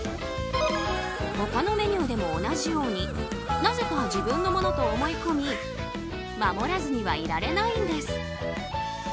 他のメニューでも同じようになぜか自分のものと思い込み守らずにはいられないんです。